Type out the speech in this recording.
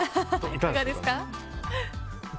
いかがですか？